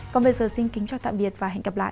còn bây giờ xin kính chào tạm biệt và hẹn gặp lại